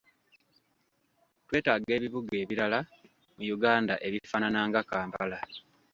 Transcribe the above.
Twetaaga ebibuga ebirala mu Uganda ebifaanana nga Kampala.